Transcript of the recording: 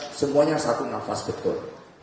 itu semuanya satu nafas betul